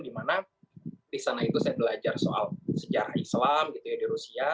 dimana di sana itu saya belajar soal sejarah islam gitu ya di rusia